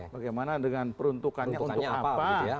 bagaimana dengan peruntukannya seperti apa